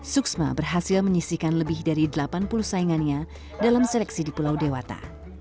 suksma berhasil menyisikan lebih dari delapan puluh saingannya dalam seleksi di pulau dewata